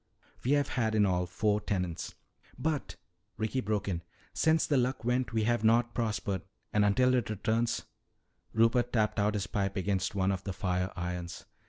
We have had in all four tenants." "But," Ricky broke in, "since the Luck went we have not prospered. And until it returns " Rupert tapped out his pipe against one of the fire irons.